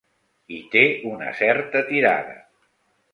Hi té una certa tirada.